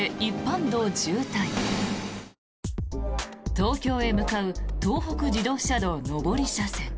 東京へ向かう東北自動車道上り車線。